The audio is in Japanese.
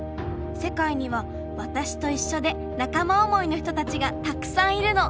世界にはわたしといっしょで仲間思いの人たちがたくさんいるの。